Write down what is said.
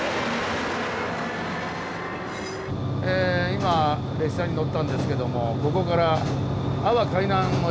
今列車に乗ったんですけどもここから阿波海南の駅。